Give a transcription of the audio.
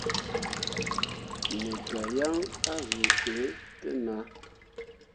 Me gah yaŋ azuu ɓe te nah.